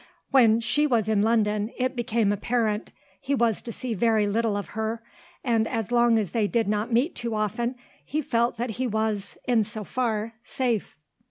When she was in London, it became apparent, he was to see very little of her, and as long as they did not meet too often he felt that he was, in so far, safe.